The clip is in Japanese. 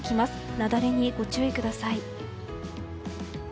雪崩にご注意ください。